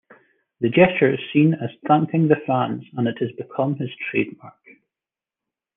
The gesture is seen as thanking the fans and it has become his trademark.